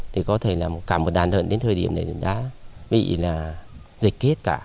thì có thể là cả một đàn đợn đến thời điểm này đã bị là dịch kết cả